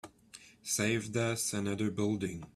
Saved us another building.